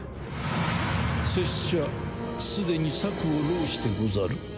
拙者すでに策を弄してござる。